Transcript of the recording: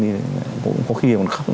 thì cũng có khi còn khóc